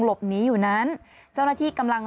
หลบหนีอยู่นั้นเจ้าหน้าที่กำลัง